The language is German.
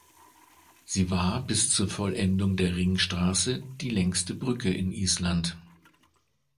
Sie war bis zur Vollendung der Ringstraße die längste Brücke in Island.